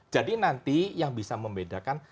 jadi nanti yang bisa membedakan